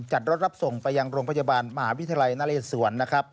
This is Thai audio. จัดรถรับส่งไปยังโรงพยาบาลมหาวิทยาลัยนเรศวรนะครับ